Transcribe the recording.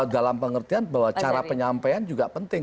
dalam pengertian bahwa cara penyampaian juga penting